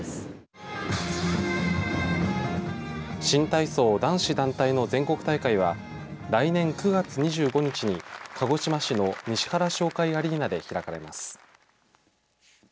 新体操男子団体の全国大会は来年９月２５日に鹿児島市の西原商会アリーナで開かれます。